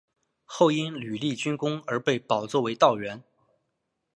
后因屡立军功而被保奏为道员。